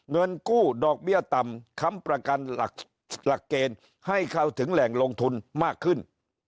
เงินกู้ดอกเบี้ยต่ำค้ำประกันหลักเกณฑ์ให้เข้าถึงแหล่งลงทุนมากขึ้น